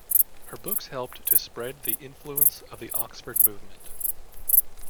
Her books helped to spread the influence of the Oxford Movement.